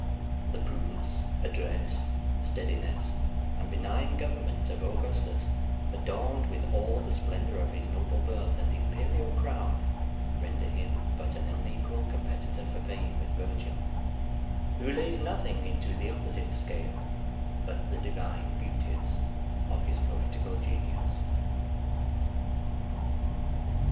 The prudence, address, steadiness, and benign government of Augustus, adorned with all the splendour of his noble birth and imperial crown, render him but an unequal competitor for fame with Virgil, who lays nothing into the opposite scale but the divine beauties of his poetical genius.